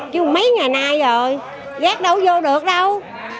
chưng mấy ngày nay rồi rác đâu vô được đâu